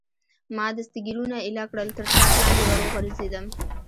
ما دستګیرونه ایله کړل، تر ټاټ لاندې ور وغورځېدم.